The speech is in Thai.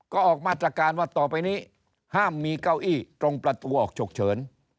ก็ออกมาตรการว่าต่อไปนี้ห้ามมีเก้าอี้ตรงประตูออกฉุกเฉิน